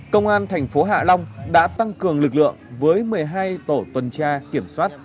công an thành phố hạ long đã tăng cường lực lượng với một mươi hai tổ tuần tra kiểm soát